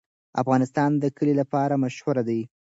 افغانستان د کلي لپاره مشهور دی.